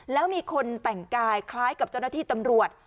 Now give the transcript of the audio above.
แล้วมีคนแต่งกายคล้ายกับเจ้าหน้าที่ตำรวจ